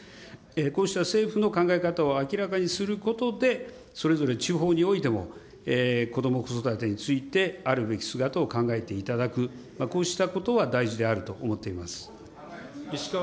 こうした政府の考え方を明らかにすることで、それぞれ地方においても、こども・子育てについて、あるべき姿を考えていただく、こうしたことは大事であると思っています。